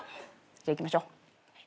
じゃあ行きましょう。